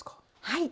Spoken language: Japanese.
はい。